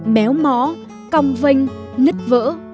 có mỏ cong vanh nứt vỡ